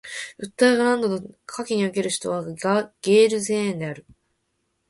ウッタラーカンド州の夏季における州都はゲールセーンである